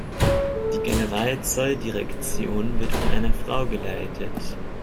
Die Generalzolldirektion wird von einer Frau geleitet.